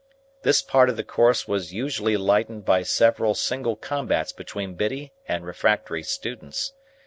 This part of the Course was usually lightened by several single combats between Biddy and refractory students.